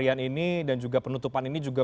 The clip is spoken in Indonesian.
kami sedang melihat juga